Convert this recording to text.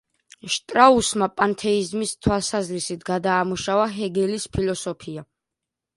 შტრაუსმა პანთეიზმის თვალსაზრისით გადაამუშავა ჰეგელის ფილოსოფია.